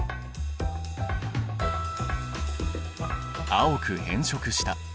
青く変色した。